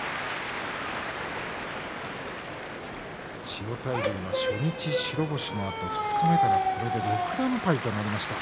千代大龍が初日白星のあと二日目から、これで６連敗となりました。